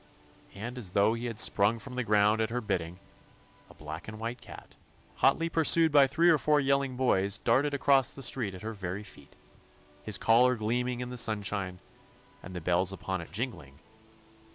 and as though he had sprung from the ground at her bid ding, a black and white cat, hotly pursued by three or four yelling boys, darted across the street at her very feet, his collar gleaming in the sun shine, and the bells upon it jingling.